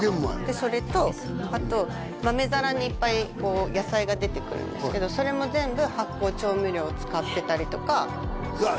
それとあと豆皿にいっぱいこう野菜が出てくるんですけどそれも全部発酵調味料を使ってたりとかうわ